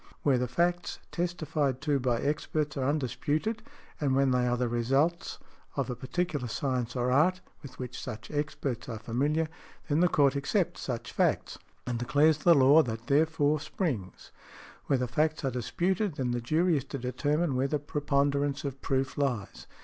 Where the facts testified to by experts are undisputed, and when they are the results of a particular science or art, with which such experts are familiar, then the Court accepts such facts, and declares the law that therefrom springs; where the facts are disputed then the jury is to determine where the preponderance of proof lies.